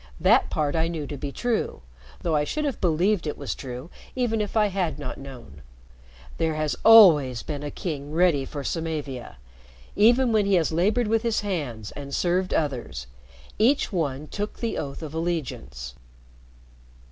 That part I knew to be true, though I should have believed it was true even if I had not known. There has always been a king ready for Samavia even when he has labored with his hands and served others. Each one took the oath of allegiance."